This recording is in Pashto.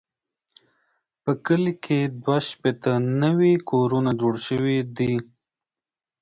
په کلي کې دوه شپېته نوي کورونه جوړ شوي دي.